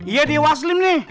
iya dia waslim nih